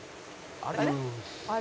「あれ？」